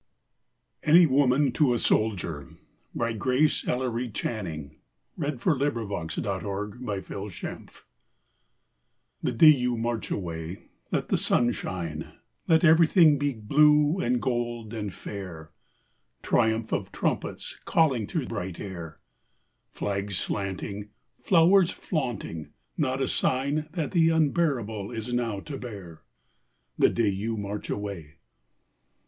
ANY WOMAN TO A SOLDIER GRACE ELLERY CHANNING [Sidenote: 1917, 1918] The day you march away let the sun shine, Let everything be blue and gold and fair, Triumph of trumpets calling through bright air, Flags slanting, flowers flaunting not a sign That the unbearable is now to bear, The day you march away.